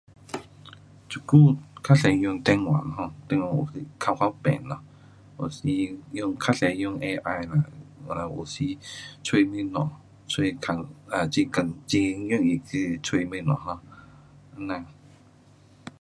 这久较多用电话 um 电话有时较方便咯。有时用较多用 AI 啦。啊有时找东西，找困，很简，很容易找东西哈。这样